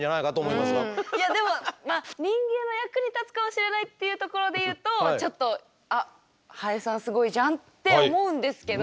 いやでもまあ人間の役に立つかもしれないっていうところでいうとちょっと「あっハエさんすごいじゃん」って思うんですけど